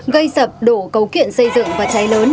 gây sập đổ cầu kiện xây dựng và cháy lớn